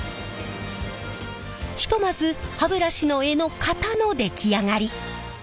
ひとまず歯ブラシの柄の型の出来上がり。